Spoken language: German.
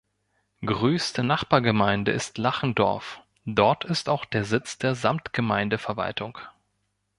Größte Nachbargemeinde ist Lachendorf, dort ist auch der Sitz der Samtgemeindeverwaltung.